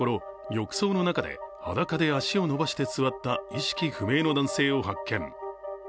浴槽の中で裸で足を伸ばして座った意識不明の男性を発見。